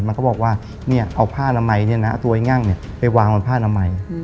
มันก็บอกว่าเนี่ยเอาผ้าน้ำไหมเนี่ยนะตัวไอ้งั่งเนี่ยไปวางผ้าน้ำไหม